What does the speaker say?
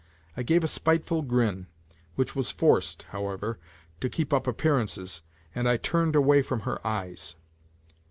I gave a spiteful grin, which was forced, however, to keep up appearances, and I turned away from her eyes.